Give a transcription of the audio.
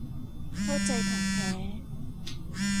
เข้าใจถ่องแท้